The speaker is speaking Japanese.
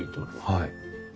はい。